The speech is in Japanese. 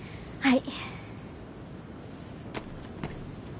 はい。